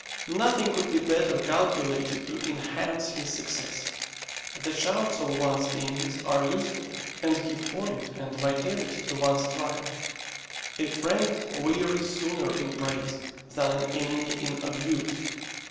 Nothing could be better calculated to enhance his success. The shouts of one's enemies are useful and give point and vitality to one's triumph. A friend wearies sooner in praise than an enemy in abuse.